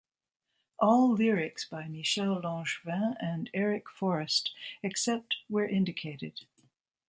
All lyrics by Michel Langevin and Eric Forrest, except where indicated.